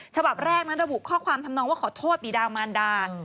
ฉบับแรกนั้นระบุข้อความทำนองว่าขอโทษบีดามานดา